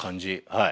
はい。